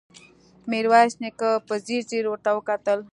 ميرويس نيکه په ځير ځير ورته وکتل.